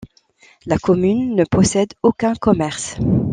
La commune ne possède aucun commerce.